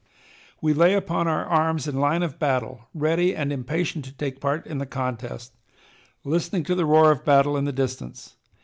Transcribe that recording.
We lay upon our arms in line of battle, ready and impatient to take part in the contest, listening to the roar of battle in the distance.